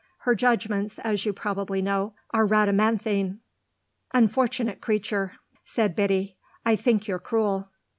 Her judgements, as you probably know, are Rhadamanthine." "Unfortunate creature!" said Biddy. "I think you're cruel."